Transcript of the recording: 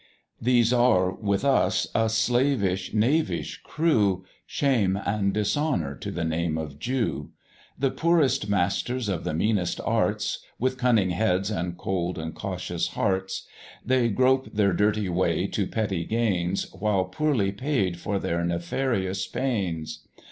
These are, with us, a slavish, knavish crew, Shame and dishonour to the name of Jew; The poorest masters of the meanest arts, With cunning heads, and cold and cautious hearts; They grope their dirty way to petty gains, While poorly paid for their nefarious pains.